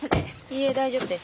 いえ大丈夫です。